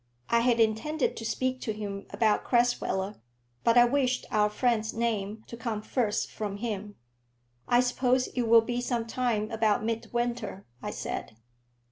I had intended to speak to him about Crasweller, but I wished our friend's name to come first from him. "I suppose it will be some time about mid winter," I said.